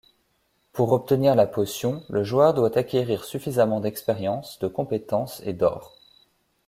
Pour obtenir la potion, le joueur doit acquérir suffisamment d'expérience, de compétences et d'or.